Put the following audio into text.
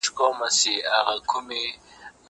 زه پرون کتابونه وړلي!!